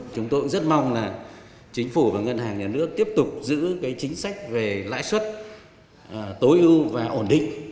chúng tôi cũng rất mong là chính phủ và ngân hàng nhà nước tiếp tục giữ chính sách về lãi suất tối ưu và ổn định